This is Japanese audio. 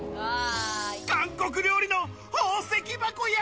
韓国料理の宝石箱や！